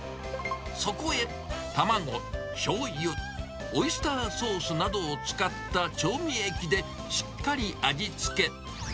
そこへ、卵、しょうゆ、オイスターソースなどを使った調味液でしっかり味付け。